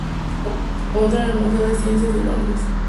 Otra en el Museo de Ciencias de Londres.